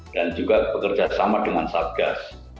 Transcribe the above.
dan juga bekerja sama dengan satgas